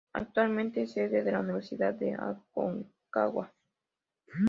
Actualmente es sede de la Universidad de Aconcagua.